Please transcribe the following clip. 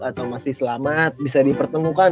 atau masih selamat bisa dipertemukan